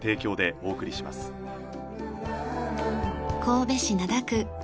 神戸市灘区。